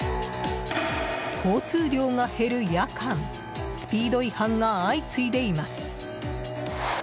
交通量が減る夜間スピード違反が相次いでいます。